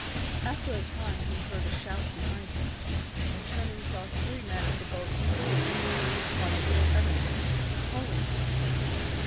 After a time he heard a shout behind him, and turning saw three men of the boat's crew upon a little eminence, calling to him.